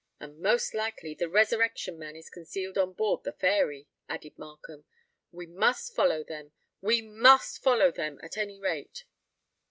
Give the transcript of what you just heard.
"And most likely the Resurrection Man is concealed on board the Fairy," added Markham. "We must follow them—we must follow them, at any rate!"